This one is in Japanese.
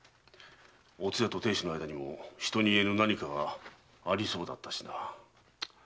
おつやと亭主の間にも人に言えぬ何かがありそうだったしな。